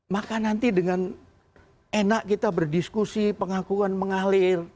maka nanti dengan enak kita berdiskusi pengakuan mengalir